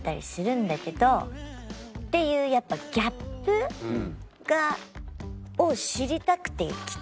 っていうやっぱりギャップを知りたくて来